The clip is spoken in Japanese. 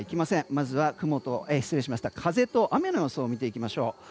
まずは風と雨の予想を見ていきましょう。